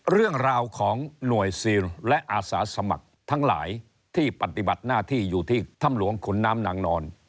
เรื่องราวของหน่วยซีลและอาสาสมัครทั้งหลายที่ปฏิบัติหน้าที่อยู่ที่ถ้ำหลวงขุนน้ำนางนอน